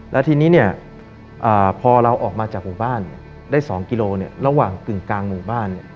แล้วทีนี้พอเราออกมาจากหมู่บ้านได้๒กิโลระหว่างกึ่งกลางหมู่บ้าน